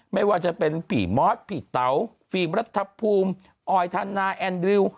ไม่ว่าจะเป็นผีม้อดผีเต๋าฟีมรัฐภูมิออยทานาแอนดริว